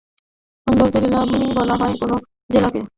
সৌন্দর্যের লীলাভূমি বলা হয় কোন জেলাকে?